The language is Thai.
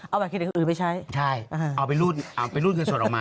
เอาบัตรเครดิตคนอื่นไปใช้ใช่เอาไปรูดเงินสดออกมา